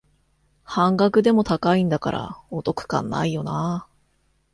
半額でも高いんだからお得感ないよなあ